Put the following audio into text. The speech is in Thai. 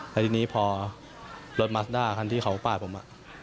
แล้วทีนี้พอรถมัสด้าคันที่เขาปาดผม